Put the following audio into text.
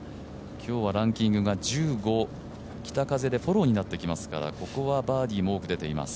今日はランキングが１５、北風でフォローになってきますからここはバーディーも多く出ています。